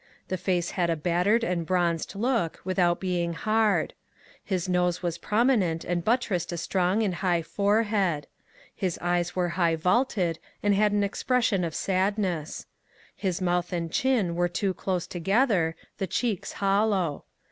The face had a battered and bronzed look, without being hard. His nose was prominent and buttressed a strong and high forehead ; his eyes were high vaulted and had an expression of sadness ; his mouth and chin were too close together, the cheeks hollow.